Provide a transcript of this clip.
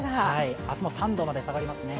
明日も３度まで下がりますね。